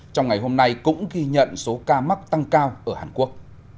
trong ngày hôm nay cũng ghi nhận số ca mắc tăng cao ở hàn quốc